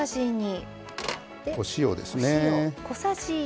お塩ですね。